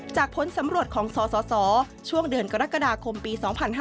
ผลสำรวจของสสช่วงเดือนกรกฎาคมปี๒๕๕๙